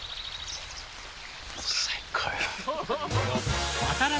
最高よ。